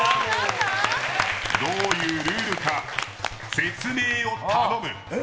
どういうルールか説明を頼む。